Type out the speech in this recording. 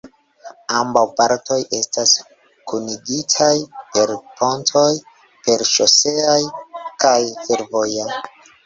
Ambaŭ partoj estas kunigitaj per pontoj: per ŝosea kaj fervoja.